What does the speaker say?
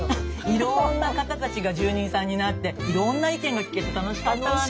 いろんな方たちが住人さんになっていろんな意見が聞けて楽しかったわね。